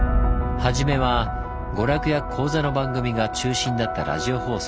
初めは娯楽や講座の番組が中心だったラジオ放送。